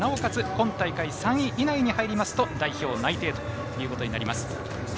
今大会３位以内に入りますと代表内定となります。